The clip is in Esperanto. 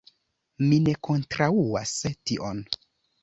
Mi ne kontraŭas tion.